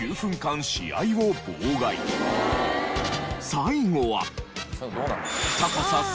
最後は。